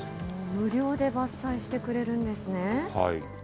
無料で伐採してくれるんですね。